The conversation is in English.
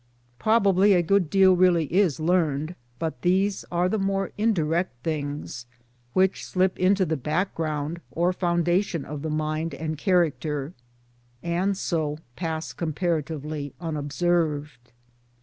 Probably a good deal really is learned but these are the more indirect things which slip into the background or foundation of the mind and character and so pass comparatively unobserved.